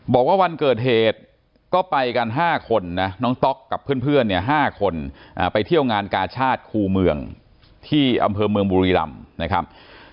บอกว่าวันเกิดเหตุก็ไปกัน๕คนนะน้องต๊อกกับเพื่อนเนี่ย๕คนไปเที่ยวงานกาชาติคู่เมืองที่อำเภอเมืองบุรีรำนะครับ